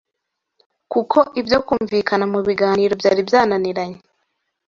kuko ibyo kumvikana mu biganiro byari byananiranye